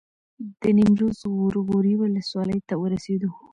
د نیمروز غور غوري ولسوالۍ ته ورسېدو.